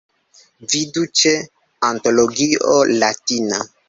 Vidu ĉe Antologio Latina.